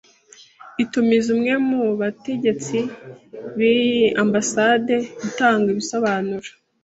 itumiza umwe mu bategetsi b'iyi ambasade gutanga ibisobanuro